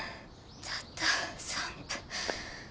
たった３分。